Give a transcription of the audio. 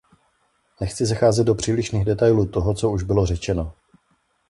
Nechci zacházet do přílišných detailů toho, co už bylo řečeno.